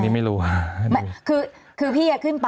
มีความรู้สึกว่ามีความรู้สึกว่า